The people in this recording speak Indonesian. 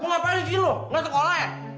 kok ngapain sih lo ga sekolah ya